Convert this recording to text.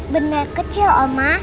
benda kecil oma